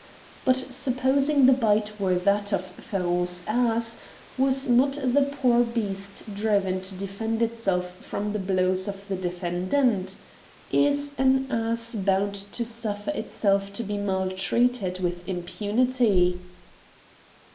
But supposing the bite were that of Ferron's ass, was not the poor beast driven to defend itself from the blows of the defendant ? Is an ass bound to suffer itself to be maltreated with impunity?